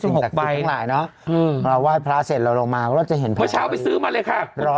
เจ๊หลงซื้อมาจากไหน